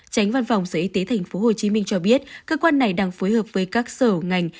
tránh văn phòng sở y tế tp hcm cho biết cơ quan này đang phối hợp với các sở ngành